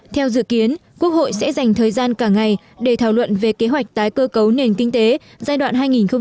theo dự kiến quốc hội sẽ dành thời gian cả ngày để thảo luận về kế hoạch tái cơ cấu nền kinh tế giai đoạn hai nghìn hai mươi một hai nghìn hai mươi năm